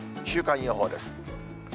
週間予報です。